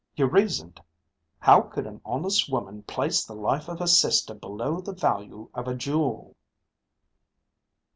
You reasoned, how could an honest woman place the life of her sister below the value of a jewel